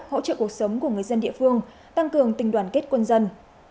hỗ trợ cuộc sống của người dân địa phương tăng cường tình đoàn kết quân dân